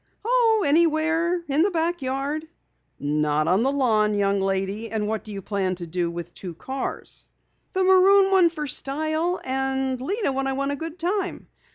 "Oh, anywhere. In the back yard." "Not on the lawn, young lady. And what do you plan to do with two cars?" "The maroon one for style, and Lena when I want a good time.